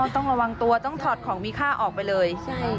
ต้องระวังตัวต้องถอดของมีค่าออกไปเลย